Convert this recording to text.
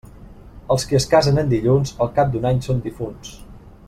Els qui es casen en dilluns, al cap de l'any són difunts.